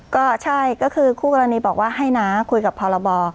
ก็ใช่ก็คือคู่กรณีบอกว่าให้น้าคุยกับพรบ